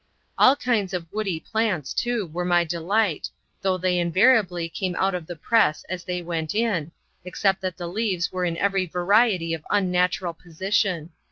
All kinds of woody plants, too, were my delight, though they invariably came out of the press as they went in, except that the leaves were in every variety of unnatural position.